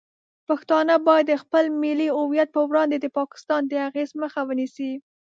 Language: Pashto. پښتانه باید د خپل ملي هویت په وړاندې د پاکستان د اغیز مخه ونیسي.